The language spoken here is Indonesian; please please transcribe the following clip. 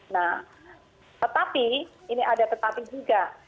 nah tetapi ini ada tetapi juga